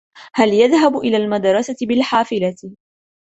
هل يذهب إلى المدرسة بالحافلة ؟